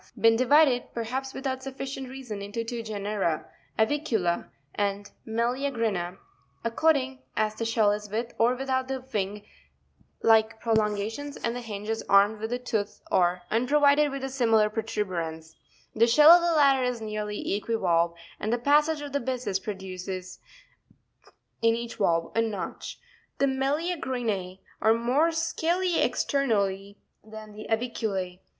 been divided, perhaps without sufficient reason, into two genera, Avicuta and Meneacrina, according as the shell is with or without the wing like prolon gations, and the hinge is armed with a tooth or unprovided with a similar protuberance: the shell of the latter is nearly equivalve, and the passage of the byssus produces in each valve a notch. The Meleagrine are more scaly ex ternally than the Avicule.